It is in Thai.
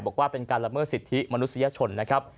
บอกว่าเป็นการละเมิดสิทธิมนุษยชนนะครับ